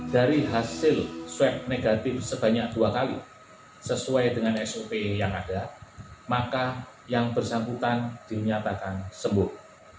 dari hasil swab negatif sebanyak dua kali sesuai dengan sop yang ada maka yang bersangkutan dinyatakan sembuh